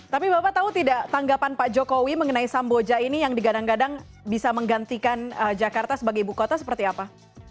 tapi bapak tahu tidak tanggapan pak jokowi mengenai samboja ini yang digadang gadang bisa menggantikan jakarta sebagai ibu kota seperti apa